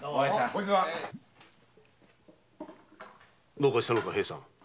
どうかしたのか平さん？